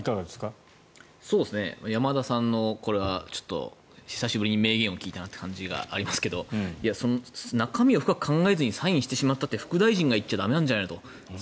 山田さんの久しぶりに名言を聞いたなという感じがありますが中身を深く考えずにサインしてしまったって副大臣が言っちゃ駄目なんじゃないのと。